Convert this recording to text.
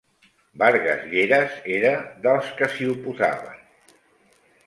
Vargas Lleras era dels que s'hi oposaven.